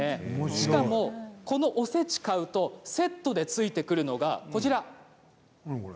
しかもこのおせちを買うとセットでついてくるのがこちらです。